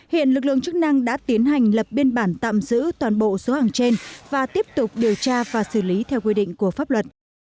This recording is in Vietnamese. hiện lực lượng chức năng đã tiến hành lập biên bản tạm giữ toàn bộ số hàng trên và tiếp tục điều tra và xử lý theo quy định của pháp luật